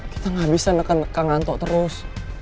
kita nggak bisa kek ngantuk terus